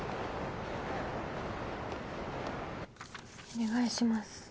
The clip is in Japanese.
お願いします。